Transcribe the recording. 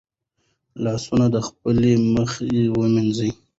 لاسونه د پخلي مخکې ومینځئ.